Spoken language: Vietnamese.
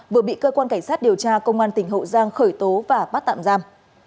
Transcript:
vừa bị cơ quan cảnh sát điều tra công an tỉnh hậu giang khởi tố và bắt tạm giam